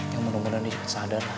yang menunggu dan dipercaya sadar lah